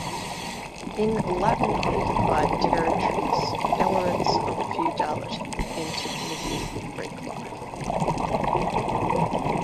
In Latin-occupied territories, elements of feudality entered medieval Greek life.